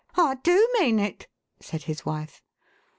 505 " I do mean it,'1 said his wife.